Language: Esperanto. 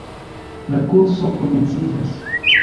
La kurso komenciĝas.